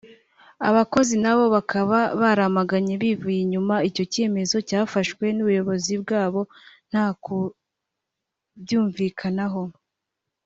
abakozi nabo bakaba baramaganye bivuye inyuma icyo cyemezo cyafashwe n’ubuyobozi bwabo nta ku byumvikanaho